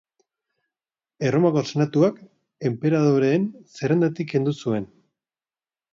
Erromako Senatuak enperadoreen zerrendatik kendu zuen.